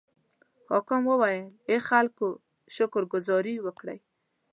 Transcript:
حاکم وویل: ای خلکو شکر ګذاري وکړئ.